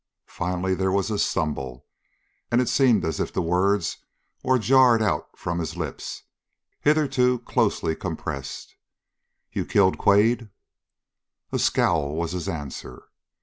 Finally there was a stumble, and it seemed as if the words were jarred out from his lips, hitherto closely compressed: "You killed Quade!" A scowl was his answer.